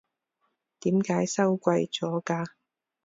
點解收貴咗㗎？